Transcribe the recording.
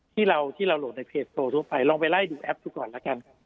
ที่เราที่เราโหลดในเพจโทรทั่วไปลองไปไล่ดูแอปดูก่อนแล้วกัน